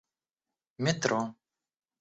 метро